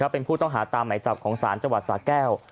เป็นผู้ต้องหาตามหมายจับของศาลจังหวัดสาแก้ว